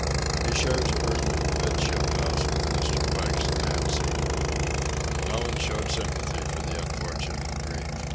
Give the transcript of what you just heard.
He shares a room in the 'midship house with Mr. Pike's Nancy. Nobody showed sympathy for the unfortunate Greek.